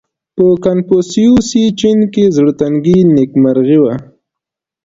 • په کنفوسیوسي چین کې زړهتنګي نېکمرغي وه.